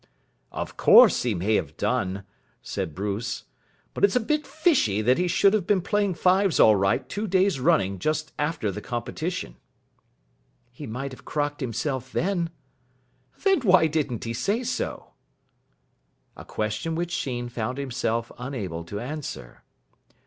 "Of course he may have done," said Bruce. "But it's a bit fishy that he should have been playing fives all right two days running just after the competition." "He might have crocked himself then." "Then why didn't he say so?" A question which Sheen found himself unable to answer.